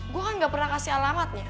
gue kan gak pernah kasih alamatnya